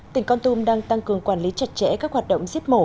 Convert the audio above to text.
tỉnh con tum đang tăng cường quản lý chặt chẽ các hoạt động giết mổ